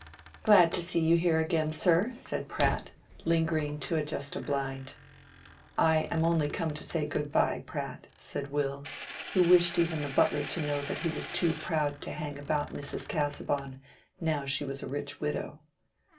"Glad to see you here again, sir," said Pratt, lingering to adjust a blind. "I am only come to say good by, Pratt," said Will, who wished even the butler to know that he was too proud to hang about Mrs. Casaubon now she was a rich widow.